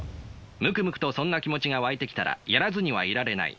ムクムクとそんな気持ちが湧いてきたらやらずにはいられない。